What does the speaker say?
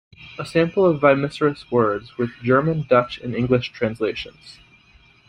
A sample of Wymysorys words with German, Dutch and English translations.